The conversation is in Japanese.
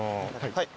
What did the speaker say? はい。